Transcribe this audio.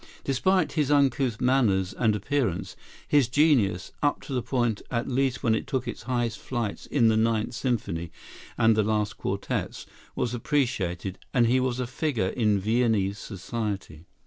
Despite his uncouth manners and appearance, his genius, up to the point at least when it took its highest flights in the "Ninth Symphony" and the last quartets, was appreciated; and he was a figure in Viennese society.